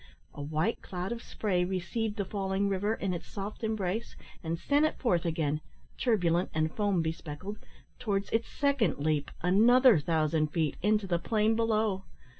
A white cloud of spray received the falling river in its soft embrace, and sent it forth again turbulent and foam bespeckled towards its second leap, another thousand feet, into the plain below.